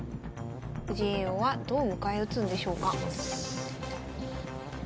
藤井叡王はどう迎え撃つんでしょうか。